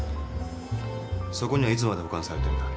そこにはいつまで保管されてんだ？